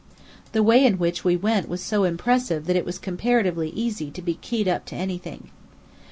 The way in which we went was so impressive that it was comparatively easy to be keyed up to anything.